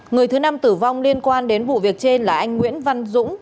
người thứ năm tử vong liên quan đến vụ việc trên là anh nguyễn văn dũng